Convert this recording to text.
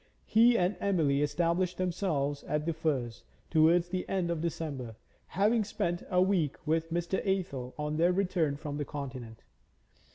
He and Emily established themselves at The Firs towards the end of December, having spent a week with Mr. Athel on their return from the Continent.